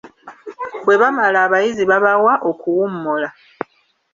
Bwe bamala abayizi babawa okuwummula.